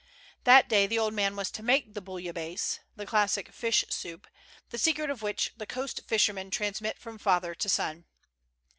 That day the old man was to make the houillahaisse^ the classic fish soup, the secret of which the coast fishermen transmit from father to son.